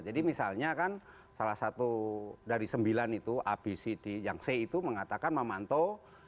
jadi misalnya kan salah satu dari sembilan itu abcd yang c itu mengatakan memantau kebijakan gubernur